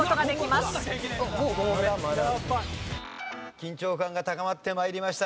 緊張感が高まって参りました。